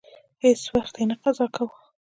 هیڅ وخت یې نه قضا کاوه.